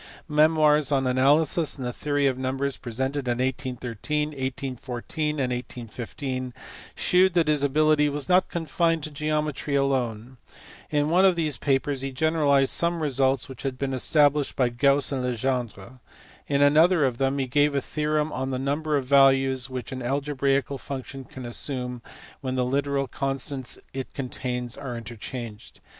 Memoirs on analysis and the theory of numbers presented in 1813, 1814, and 1815 shewed that his ability was not confined to geometry alone : in one of these papers he generalized some results which had been established by Gauss and Legendre ; in another of them he gave a theorem on the number of values which an algebraical function can assume when the literal constants it contains are interchanged.